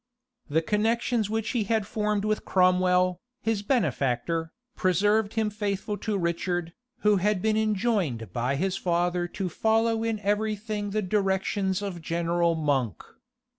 The connections which he had formed with Cromwell, his benefactor, preserved him faithful to Richard, who had been enjoined by his father to follow in every thing the directions of General Monk.